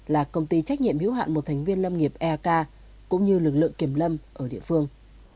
là công ty trách nhiệm hiếu hạn một thành viên lâm nghiệp eak cũng như lực lượng kiểm lâm ở địa phương